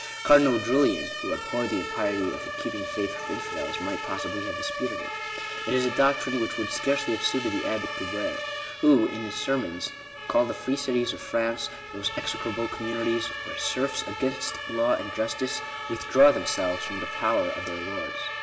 Cardinal Julian, who " ab horred the impiety of keeping faith with infidels/' might pos sibly have disputed it. It is a doctrine which would scarcely have suited the abbot Guibert, who, in his sermons, called the free cities of France " those execrable communities, where serfs, against law and justice, withdraw themselves from the power of their lords."